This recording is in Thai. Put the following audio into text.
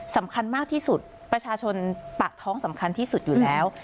สำคัญมากที่สุดประชาชนปากท้องสำคัญที่สุดอยู่แล้ว